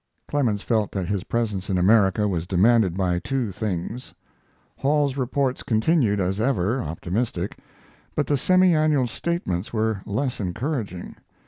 Clemens felt that his presence in America, was demanded by two things. Hall's reports continued, as ever, optimistic; but the semi annual statements were less encouraging.